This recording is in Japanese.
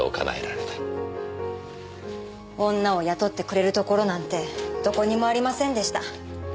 女を雇ってくれるところなんてどこにもありませんでした。